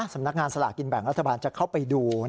สำนักงานสลากกินแบ่งรัฐบาลจะเข้าไปดู